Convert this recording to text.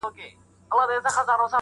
ترمنځ تاريخي ټکر